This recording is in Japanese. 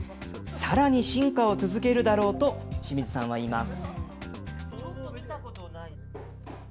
さらに進化を続けるだろうと、清水さんは言います。